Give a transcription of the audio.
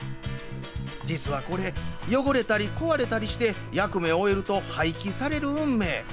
実はこれ、汚れたり壊れたりして役目を終えると廃棄される運命。